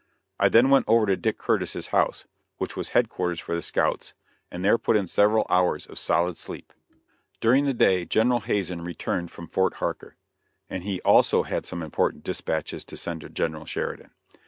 I then went over to Dick Curtis' house, which was headquarters for the scouts, and there put in several hours of solid sleep. During the day General Hazen returned from Fort Harker, and he also had some important dispatches to send to General Sheridan.